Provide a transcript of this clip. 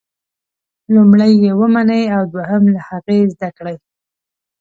لومړی یې ومنئ او دوهم له هغې زده کړئ.